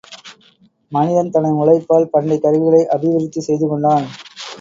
மனிதன் தனது உழைப்பால் பண்டைக் கருவிகளை அபிவிருத்தி செய்து கொண்டான்.